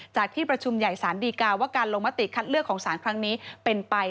ที่ประชุมใหญ่ศาลดีกาว่าการลงมติคัดเลือกของสารครั้งนี้เป็นไป